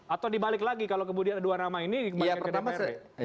atau dibalik lagi kalau kemudian dua nama ini kembali ke dprd